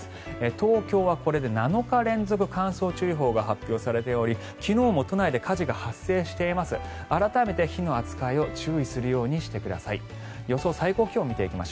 東京はこれで７日連続乾燥注意報が発表されており昨日も都内で火事が発生しています。